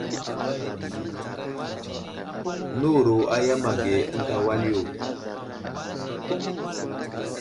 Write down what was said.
Nəwuro a yam age ənta wal yo.